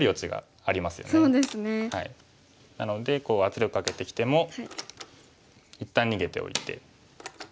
なので圧力かけてきても一旦逃げておいて。